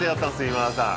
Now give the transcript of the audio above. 今田さん